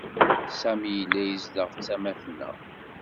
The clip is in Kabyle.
Sami yella izdeɣ ttama-t-nneɣ.